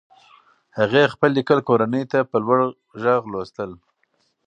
هغې خپل لیکل کورنۍ ته په لوړ غږ لوستل.